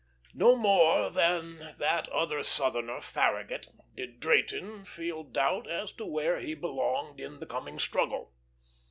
No more than that other Southerner, Farragut, did Drayton feel doubt as to where he belonged in the coming struggle.